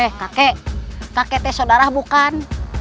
he kakek kakete sodara bukan